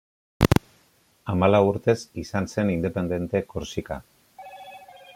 Hamalau urtez izan zen independente Korsika.